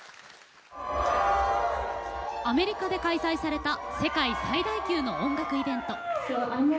アメリカで開催された世界最大級の音楽イベント。